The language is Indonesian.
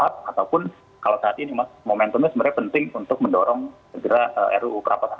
ataupun kalau saat ini momentumnya sebenarnya penting untuk mendorong segera ruu kerapatan aset ya